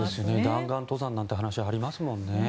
弾丸登山なんていう話もありますもんね。